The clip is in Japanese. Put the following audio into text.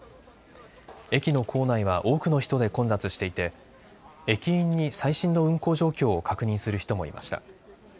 駅の構内は多くの人で混雑していて駅員に最新の運行状況を確認する人もいました。